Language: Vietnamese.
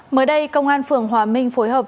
mới đây công an phường hòa minh phối hợp